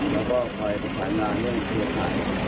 แล้วก็คอยประสานงานเรื่องเครือข่าย